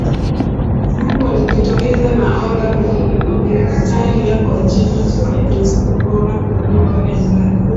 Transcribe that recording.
Hapo alijitokeza nahodha Mwitalia kwa jina Kristoforo Kolombo aliyetaka